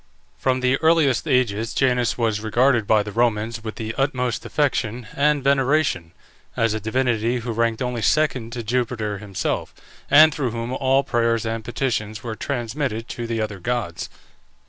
From the earliest ages Janus was regarded by the Romans with the utmost affection and veneration, as a divinity who ranked only second to Jupiter himself, and through whom all prayers and petitions were transmitted to the other gods.